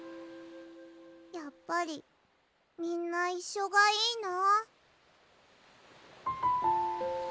やっぱりみんないっしょがいいな。